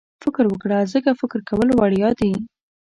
فکر وکړه ځکه فکر کول وړیا دي.